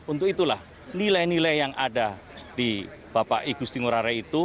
untuk itulah nilai nilai yang ada di bapak igusti ngurah rai itu